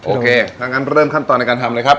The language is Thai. โอเคเริ่มขั้นตอนในการทำเลยครับ